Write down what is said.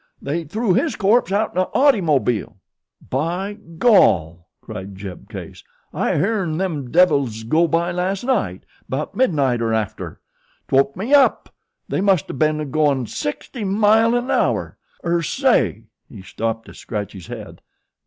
They threw his corpse outen a ottymobile." "By gol!" cried Jeb Case; "I hearn them devils go by last night 'bout midnight er after. 'T woke me up. They must o' ben goin' sixty mile an hour. Er say," he stopped to scratch his head.